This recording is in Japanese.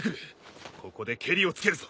ここでけりをつけるぞ。